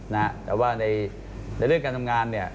นะฮะแต่ว่าในเรื่องการทำงานเนี่ย